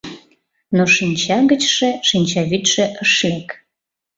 Но шинча гычше шинчавӱдшӧ ыш лек.